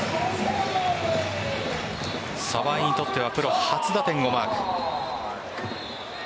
澤井にとってはプロ初打点をマーク。